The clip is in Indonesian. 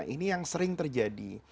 ini yang sering terjadi